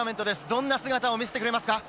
どんな姿を見せてくれますか？